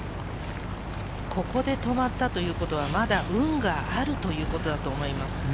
ここで止まったということは、まだ運があるということだと思います。